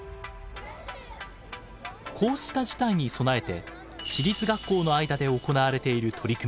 こうした事態に備えて私立学校の間で行われている取り組みがあります。